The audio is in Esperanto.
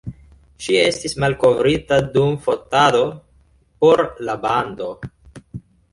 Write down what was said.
Ŝi estis malkovrita dum fotado por la bando.